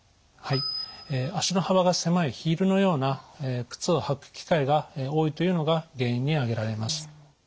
はい足の幅が狭いヒールのような靴を履く機会が多いというのが原因に挙げられます。